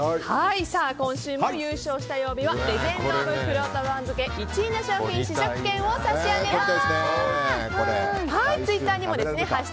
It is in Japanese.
今週も優勝した曜日はレジェンド・オブ・くろうと番付１位の商品試食券を差し上げます。